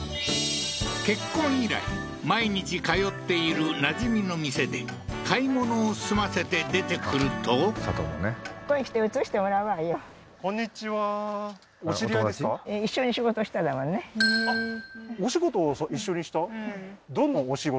結婚以来毎日通っている馴染みの店で買い物を済ませて出てくるとあっお仕事を一緒にした？